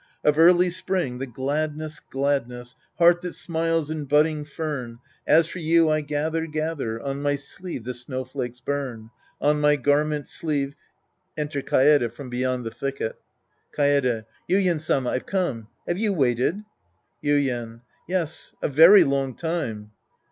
"^'^" Of early spring the gladness, gladness ! Heart that smiles in budding fern ! As for you I gather, gather, On my sleeve the snowflakes bum. On my garment's sleeve — {Enter Kaede from beyond the thicket.) Kaede. Yuien Sama, I've come. Have you waited ? Yuien. Yes, a very long time.